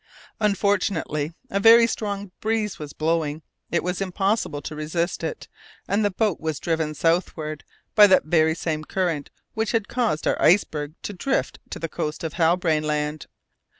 Unfortunately a very strong breeze was blowing; it was impossible to resist it, and the boat was driven southwards by that very same current which had caused our iceberg to drift to the coast of Halbrane Land.